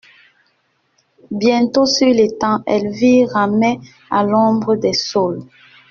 Bientôt, sur l'étang, Elvire ramait à l'ombre des saules.